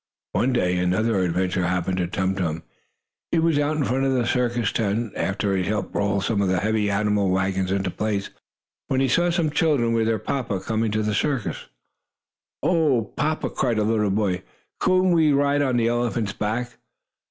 One day another adventure happened to Tum Tum. He was out in front of the circus tent, after he had helped roll some of the heavy animal wagons into place, when he saw some children, with their papa, coming to the circus. "Oh, papa!" cried a little boy, "couldn't we ride on the elephant's back?"